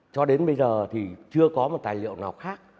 cho đến bây giờ thì chưa có một tài liệu nào khác